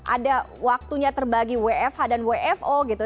ada waktunya terbagi wfh dan wfo gitu